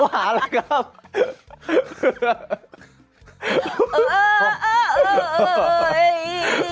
ขอหาล่ะครับ